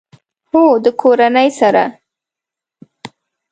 هو، د کورنۍ سره